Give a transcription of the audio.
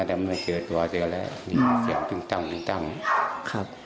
แต่มันไม่เจอตัวเจออะไรอืมเสียงตึงตั้งตึงตั้งครับ